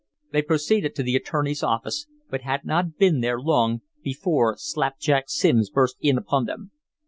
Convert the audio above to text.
They proceeded to the attorney's office, but had not been there long before Slapjack Simms burst in upon them.